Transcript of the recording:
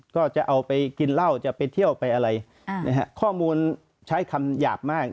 ก็จะเอาไปกินเหล้าจะไปเที่ยวไปอะไรนะฮะข้อมูลใช้คำหยาบมาก